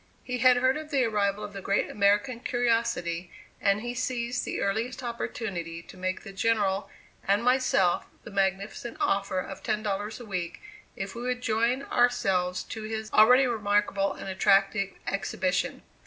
He had heard of the arrival of the great American curiosity, and he seized the earliest opportunity to make the General and myself the magnificent offer of ten dollars a week if we would join ourselves to his already remarkable and attractive exhibition.